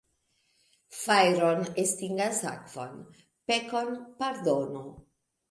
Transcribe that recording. Fajron estingas akvo, pekon pardono.